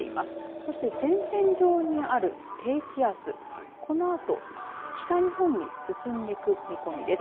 そして、前線上にある低気圧このあと、北日本に進んでいく見込みです。